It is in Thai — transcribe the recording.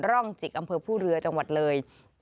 ร่องจิกอำเภอผู้เรือจังหวัดเลย